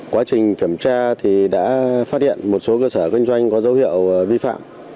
quá trình kiểm tra thì đã phát hiện một số cơ sở kinh doanh có dấu hiệu vi phạm